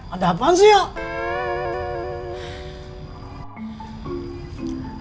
ada apaan sih